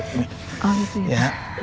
oh gitu ya